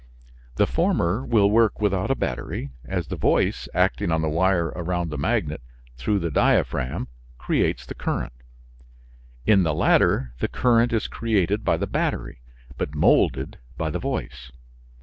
The former will work without a battery, as the voice acting on the wire around the magnet through the diaphragm creates the current; in the latter the current is created by the battery but molded by the voice.